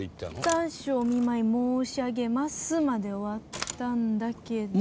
「残暑お見舞申し上げます」まで終わったんだけど。